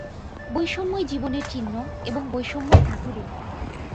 বৈষম্যই জীবনের চিহ্ন এবং বৈষম্য থাকিবেই।